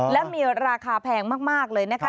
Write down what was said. และมีราคาแพงมากเลยนะคะ